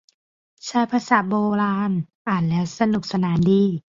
ใช้ภาษาโบราณ อ่านแล้วสนุกสนานดี